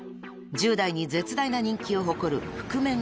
１０代に絶大な人気を誇る］